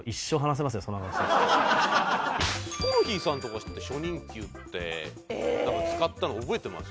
ヒコロヒーさんとかって初任給ってなんか使ったの覚えてます？